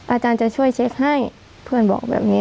อาจารย์จะช่วยเช็คให้เพื่อนบอกแบบนี้